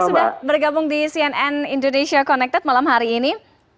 sudah bergabung di cnn indonesia connected malam hari ini